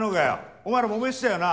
お前らもめてたよな。